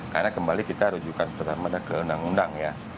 karena kembali kita rujukan pertama ke undang undang ya